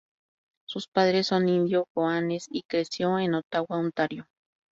Sus padres son Indio-Goanes y creció en Ottawa, Ontario.